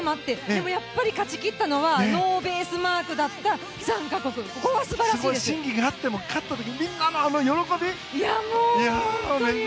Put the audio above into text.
でも、やっぱり勝ち切ったのはノーベースマークだった３か国。審議があっても勝った時、みんなのあの喜び。